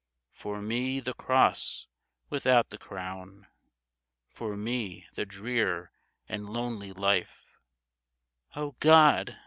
For me the cross without the crown ; For me the drear and lonely life ; O God